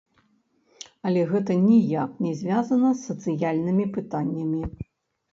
Але гэта ніяк не звязана з сацыяльнымі пытаннямі.